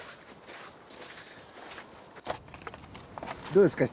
どうですか？